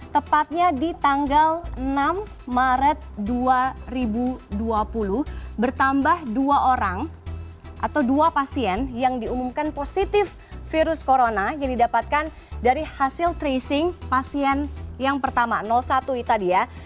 tepatnya di tanggal enam maret dua ribu dua puluh bertambah dua orang atau dua pasien yang diumumkan positif virus corona yang didapatkan dari hasil tracing pasien yang pertama satu tadi ya